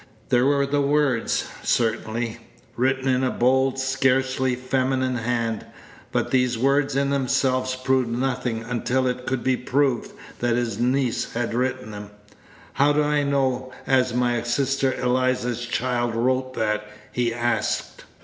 There were the words, certainly, written in a bold, scarcely feminine hand. But these words in themselves proved nothing until it could be proved that his niece had written them. "How do I know as my sister Eliza's child wrote that?" he asked.